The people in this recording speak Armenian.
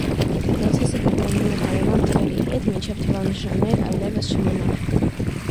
Պրոցեսը կրկնվում է հարևան թվերի հետ մինչև թվանշաններ այլևս չմնան։